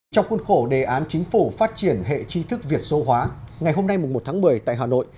trong khuôn khổ đề án chính phủ phát triển hệ chi thức việt số hóa ngày hôm nay một tháng một mươi tại hà nội